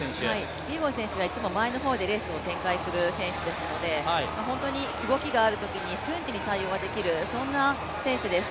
キピエゴン選手、いつも前の方でレースを展開する選手ですので本当に動きがあるときに瞬時に対応ができる、そんな選手です。